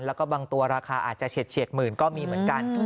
แล้วก็บางตัวราคาอาจจะเฉียดหมื่นก็มีเหมือนกัน